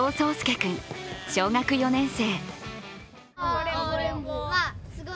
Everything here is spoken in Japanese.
君、小学４年生。